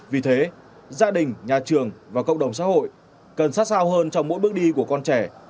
vì thế gia đình nhà trường và cộng đồng xã hội cần sát sao hơn trong mỗi bước đi của con trẻ